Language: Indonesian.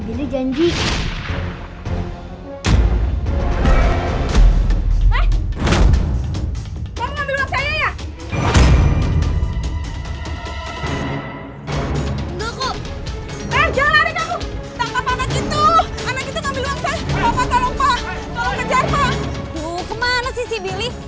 aduh kemana sih si billy